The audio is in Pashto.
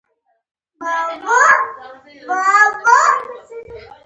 ډاډه اوسئ چې د تلقين او تکرار له امله.